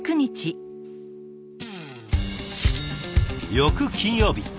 翌金曜日。